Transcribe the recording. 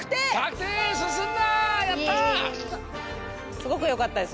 すごくよかったです